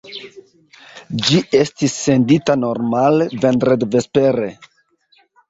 Ĝi estis sendita normale vendredvespere.